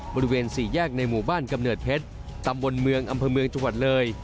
บริเวณสี่แยกในหมู่บ้านกำเนิดเพชรตำบลเมืองอำเภอเมืองจังหวัดเลย